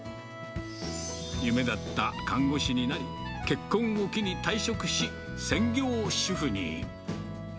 夢だった看護師になり、結婚を機に退職し、専業主婦に。